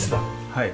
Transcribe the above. はい。